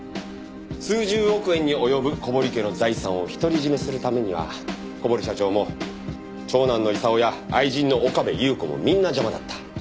数十億円に及ぶ小堀家の財産を独り占めするためには小堀社長も長男の功や愛人の岡部祐子もみんな邪魔だった。